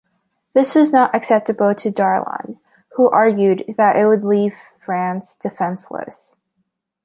This was not acceptable to Darlan, who argued that it would leave France defenceless.